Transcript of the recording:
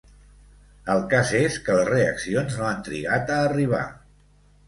El cas és que les reaccions no han trigat a arribar.